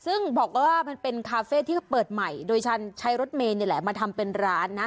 ซึ่งบอกว่ามันเป็นคาเฟ่ที่เขาเปิดใหม่โดยฉันใช้รถเมย์นี่แหละมาทำเป็นร้านนะ